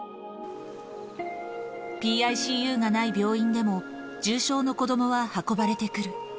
ＰＩＣＵがない病院でも、重症の子どもは運ばれてくる。